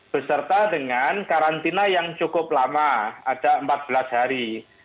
beserta dengan karantina yang cukup lama ada empat belas hari